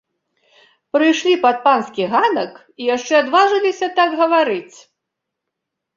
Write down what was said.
Прыйшлі пад панскі ганак і яшчэ адважыліся так гаварыць!